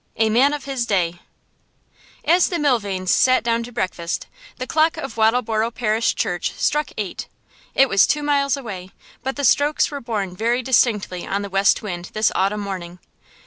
A MAN OF HIS DAY As the Milvains sat down to breakfast the clock of Wattleborough parish church struck eight; it was two miles away, but the strokes were borne very distinctly on the west wind this autumn morning.